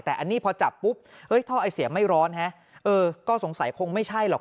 แต่อันนี้พอจับปุ๊บท่อไอเสียไม่ร้อนฮะเออก็สงสัยคงไม่ใช่หรอก